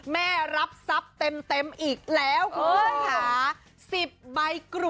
แม่รับทรัพย์เต็มอีกแล้วคุณผู้ชมค่ะ